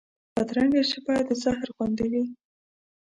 بدرنګه ژبه د زهر غوندې وي